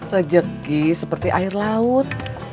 rezeki seperti air laut